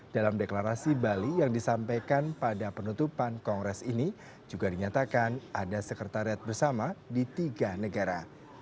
dalam deklarasi bali yang disampaikan pada penutupan kongres ini juga dinyatakan ada sekretariat bersama di tiga negara